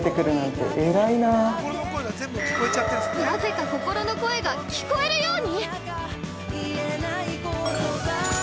なぜか心の声が聞こえるように！？